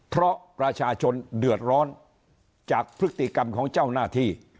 เพราะประชาชนเดือดร้อนจากพฤติกรรมของเจ้าหน้าที่